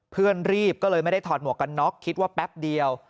เพื่อนรีบก็เลยไม่ได้ถอดหมวกกันน็อกคิดว่าแป๊บเดียว